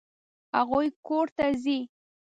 هغوی کور ته ځي.